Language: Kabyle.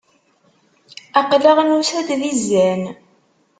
Aql-aɣ nusa-d di zzan.